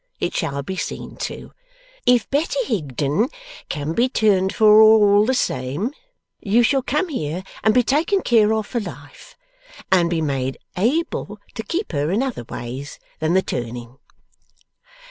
It shall be seen to. If Betty Higden can be turned for all the same, you shall come here and be taken care of for life, and be made able to keep her in other ways than the turning.